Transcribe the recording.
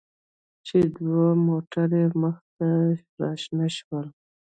چې دوه موټره يې مخې ته راشنه شول.